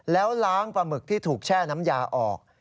แล้วล้างปลาหมึกที่ถูกแช่น้ำยาออก